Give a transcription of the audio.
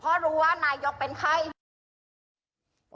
เพราะรู้ว่านายกเป็นไข้